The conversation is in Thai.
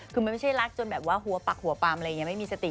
คือมันไม่ใช่รักจนแบบว่าหัวปักหัวปามอะไรอย่างนี้ไม่มีสติ